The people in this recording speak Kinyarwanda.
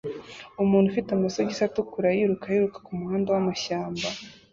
Umuntu ufite amasogisi atukura yiruka yiruka kumuhanda wamashyamba